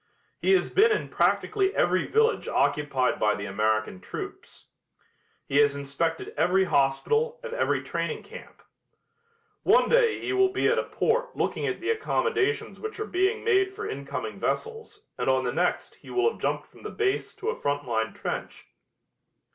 He has been in practically every village occupied by the American troops. He has inspected every hospital and every training camp. One day he will be at a port looking at the accommodations which are being made for incoming vessels and on the next he will have jumped from the base to a front line trench.